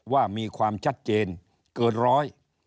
ว่ามีความชัดเจนเกินร้อย